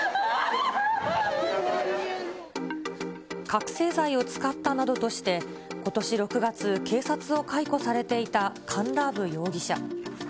覚醒剤を使ったなどとして、ことし６月、警察を解雇されていたカンラーブ容疑者。